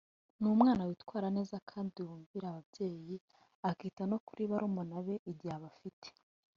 ni umwana witwara neza kandi wumvira ababyeyi akita no kuri barumuna be igihe abafite